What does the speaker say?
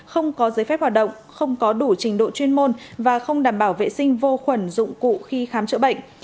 không có giấy phép hoạt động không có đủ trình độ chuyên môn và không đảm bảo vệ sinh vô khuẩn dụng cụ khi khám chữa bệnh